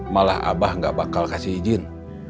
malah abah gak bakal kasih izin